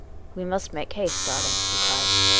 " We must make haste, darling," he cried.